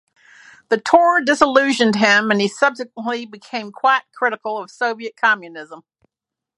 The tour disillusioned him and he subsequently became quite critical of Soviet communism.